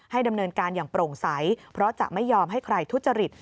ดำเนินการอย่างโปร่งใสเพราะจะไม่ยอมให้ใครทุจริต